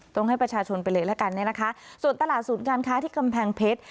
ต้องให้ประชาชนไปเลยละกันเนี่ยนะคะส่วนตลาดศูนย์การค้าที่กำแพงเพชร